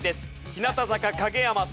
日向坂影山さん。